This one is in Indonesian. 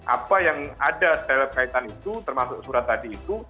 apa yang ada dalam kaitan itu termasuk surat tadi itu